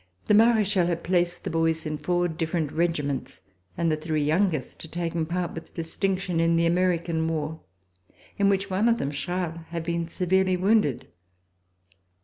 The Marechal had placed the boys in four different regiments, and the three youngest had taken part with distinction in the American war, in which one of them, Charles, had been severely wounded.